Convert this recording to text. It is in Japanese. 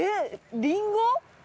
りんご？